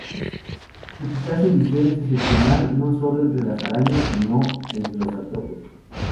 Su eficaz visión es excepcional no sólo entre las arañas, sino entre los artrópodos.